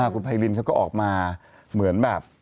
คุณไพรินเขาก็ออกมาเหมือนแบบ